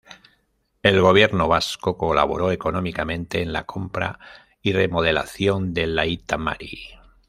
El Gobierno Vasco colaboró económicamente en la compra y remodelación del Aita Mari.